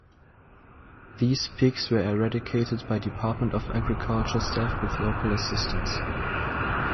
These pigs were eradicated by Department of Agriculture staff with local assistance.